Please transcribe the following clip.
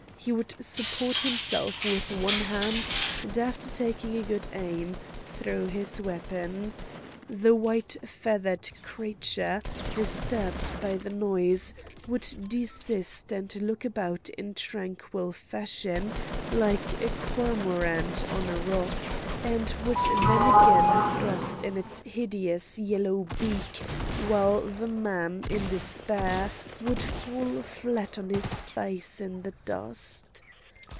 He would support himself with one hand, and after taking a good aim, throw his weapon. The white feathered creature, disturbed by the noise, would desist and look about in tranquil fashion like a cormorant on a rock, and would then again thrust in its hideous, yellow beak, while the man, in despair, would fall flat on his face in the dust.